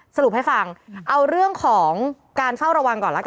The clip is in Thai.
สรุปให้ฟังเอาเรื่องของการเฝ้าระวังก่อนละกัน